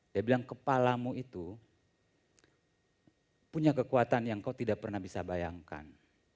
dia bilang kepalamu itu punya kekuatan yang kau tidak pernah bisa bayangkan